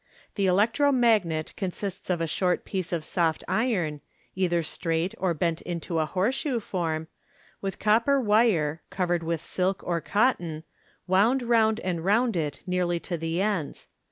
The electro magnet consists of a short piece of soft iron, (either straight, or bent into a horseshoe form), with copper wire (covered with silk or cotton) wound round and round it nearly to the ends.